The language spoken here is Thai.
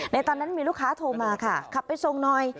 ตอนนั้นมีลูกค้าโทรมาค่ะขับไปส่งหน่อย